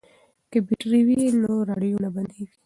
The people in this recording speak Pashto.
که بیټرۍ وي نو راډیو نه بندیږي.